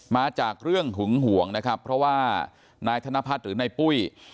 มาจากเรื่องหึงห่วงนะครับเพราะว่านายธนพัฒน์หรือนายปุ้ย